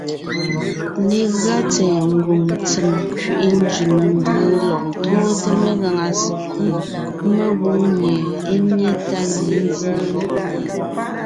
Legʉa tsɛ̀ɛ ngwòŋ ntsèm nkẅiʼi nzẅìŋ mbǔ lɔg ntóonte megàŋa sekúd mengwòŋ mie é nyé tá ne nzyéen;